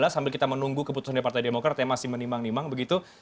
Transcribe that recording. sambil kita menunggu keputusan dari partai demokrat yang masih menimbang nimang begitu